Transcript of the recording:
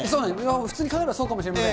普通に考えればそうかもしれません。